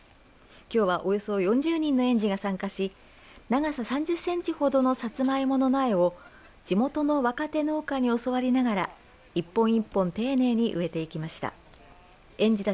きょうはおよそ４０人の園児が参加し長さ３０センチほどのサツマイモの苗を地元の若手農家に教わりながら一本一本丁寧に植えていきました。